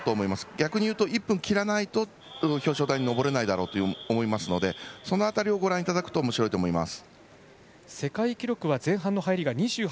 逆にいうと、１分を切らないと表彰台に上れないだろうと思いますのでその辺りをご覧になるとおもしろいと思います。